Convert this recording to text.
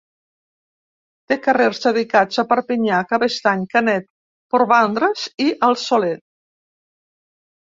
Té carrers dedicats a Perpinyà, Cabestany, Canet, Portvendres i El Soler.